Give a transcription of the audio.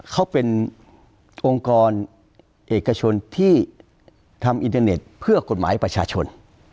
เขาเป็นองค์กรเอกชนที่ทำอินเทอร์เน็ตเพื่อกฎหมายประชาชน